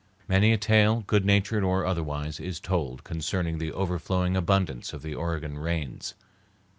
Many a tale, good natured or otherwise, is told concerning the overflowing abundance of the Oregon rains.